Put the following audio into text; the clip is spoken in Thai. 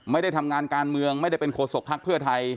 ไม่ได้ทำงานการเมืองไม่ได้เป็นโฆษกภักดิ์เพื่อไทย